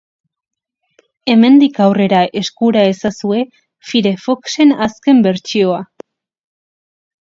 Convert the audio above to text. Hemendik aurrera eskura ezazue Firefoxen azken bertsioa.